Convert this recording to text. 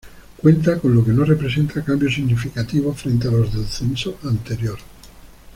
Cuenta con lo que no representa cambio significativo frente a los del censo anterior.